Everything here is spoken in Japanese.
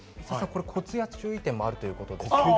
コツや注意点もあるということなんですね。